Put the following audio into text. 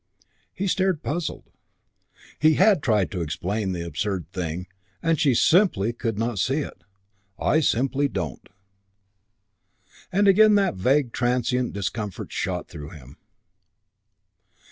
He stared, puzzled. He had tried to explain the absurd thing, and she simply could not see it. "I simply don't." And again that vague and transient discomfort shot through him.